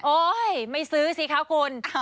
ไม่ซื้อสิคะคุณ